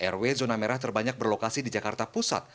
rw zona merah terbanyak berlokasi di jakarta pusat